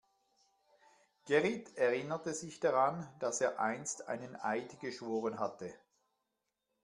Gerrit erinnerte sich daran, dass er einst einen Eid geschworen hatte.